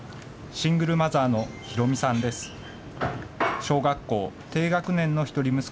シングルマザーのヒロミさんです。